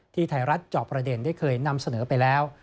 ไทยรัฐจอบประเด็นได้เคยนำเสนอไปแล้ว